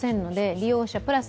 利用者プラス